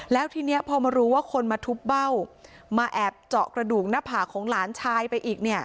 แล้วทีนี้พอมารู้ว่าคนมาทุบเบ้ามาแอบเจาะกระดูกหน้าผากของหลานชายไปอีกเนี่ย